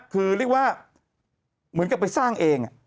คือเรียกว่าเหมือนกับไปสร้างเอง